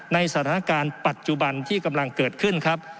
ในสถานการณ์ปัจจุบันที่กำลังเกิดขึ้นครับ